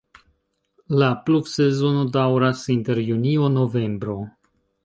La pluvsezono daŭras inter junio-novembro.